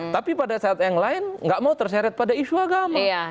tapi pada saat yang lain nggak mau terseret pada isu agama